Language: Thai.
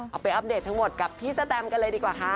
เอาไปอัปเดตทั้งหมดกับพี่สแตมกันเลยดีกว่าค่ะ